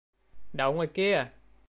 Đậu ngoài kia